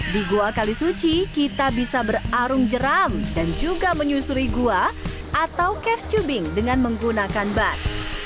di gua kalisuci kita bisa berarung jeram dan juga menyusuri gua atau cave tubing dengan menggunakan bat